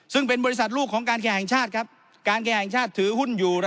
ซึ่งเป็นบริษัทลูกของการแข่งชาติครับการแข่งชาติถือหุ้นอยู่